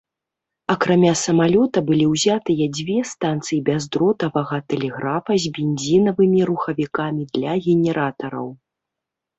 Акрамя самалёта, былі ўзятыя дзве станцыі бяздротавага тэлеграфа з бензінавымі рухавікамі для генератараў.